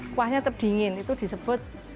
kuahnya terdingin itu disebut